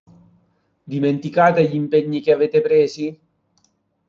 Dimenticate gli impegni che avete presi?